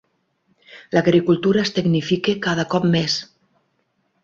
L'agricultura es tecnifica cada cop més.